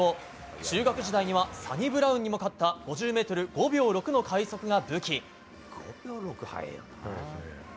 中学時代にはサニブラウンにも勝った５０ｍ５秒６の快速が武器。